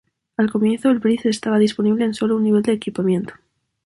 Al comienzo, el Breeze estaba disponible en solo un nivel de equipamiento.